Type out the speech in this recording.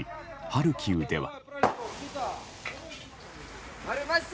ハルキウでは。